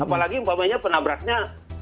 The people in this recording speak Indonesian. apalagi umpamanya penabraknya